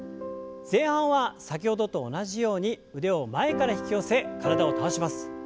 前半は先ほどと同じように腕を前から引き寄せ体を倒します。